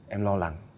em lo lắng